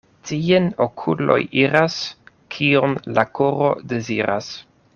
Tien okuloj iras, kion la koro deziras.